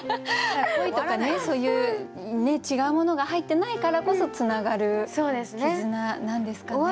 恋とかねそういう違うものが入ってないからこそつながる絆なんですかね。